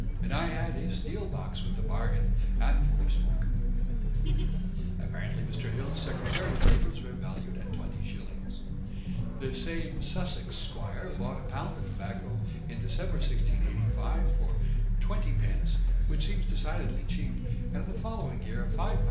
and I had his steel box with the bargain, and full of smoake." Apparently Mr. Hill's secretarial labours were valued at 20s. This same Sussex squire bought a pound of tobacco in December 1685 for 20d., which seems decidedly cheap, and in the following year a 5 lb.